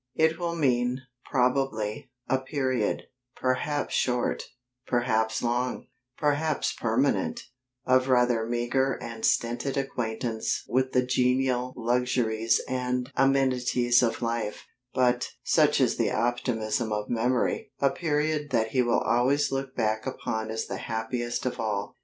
It will mean, probably, a period perhaps short, perhaps long, perhaps permanent of rather meagre and stinted acquaintance with the genial luxuries and amenities of life; but (such is the optimism of memory) a period that he will always look back upon as the happiest of all.